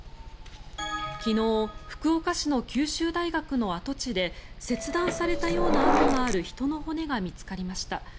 昨日、福岡市の九州大学の跡地で切断されたような痕がある人の骨が見つかりました。